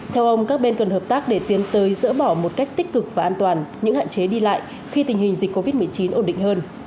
theo ông các bên cần hợp tác để tiến tới dỡ bỏ một cách tích cực và an toàn những hạn chế đi lại khi tình hình dịch covid một mươi chín ổn định hơn